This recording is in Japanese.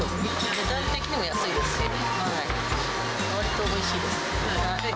値段的にも安いですし、わりとおいしいです。